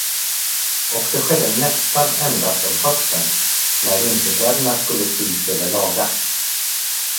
Och det skedde nästan endast om hösten, när vinterkläderna skulle sys eller lagas.